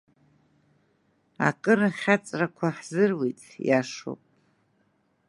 Акыр ахьаҵрақәа ҳзыруит, иашоуп…